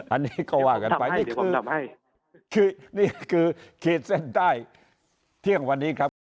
อันนี้เขาว่ากันไปนี่คือเขตเส้นได้เที่ยงวันนี้ครับ